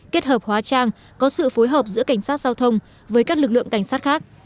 kết hợp hóa trang có sự phối hợp giữa cảnh sát giao thông với các lực lượng cảnh sát khác